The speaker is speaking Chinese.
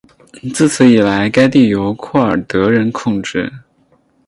自此以来该地由库尔德人控制。